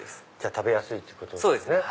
食べやすいってことですね。